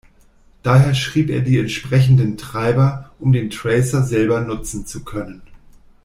Daher schrieb er die entsprechenden Treiber, um den Tracer selber nutzen zu können.